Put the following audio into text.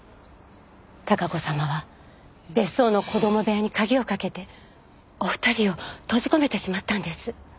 孝子様は別荘の子供部屋に鍵をかけてお二人を閉じ込めてしまったんです。